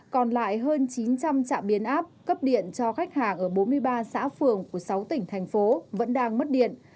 còn lại hơn chín trăm linh trạm biến áp cấp điện cho khách hàng ở bốn mươi ba xã phường của sáu tỉnh thành phố vẫn đang mất điện